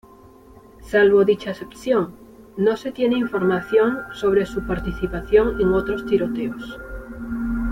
Salvo dicha excepción, no se tiene información sobre su participación en otros tiroteos.